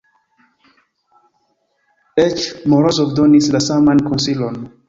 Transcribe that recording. Eĉ Morozov donis la saman konsilon.